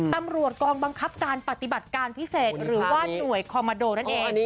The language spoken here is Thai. ตำรวจกองบังคับการปฏิบัติการพิเศษหรือว่าหน่วยคอมมาโดนั่นเอง